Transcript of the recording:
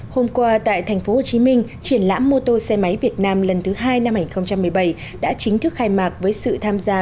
hôm qua tại tp hcm triển lãm mô tô xe máy việt nam lần thứ hai năm hai nghìn một mươi bảy đã chính thức khai mạc với sự tham gia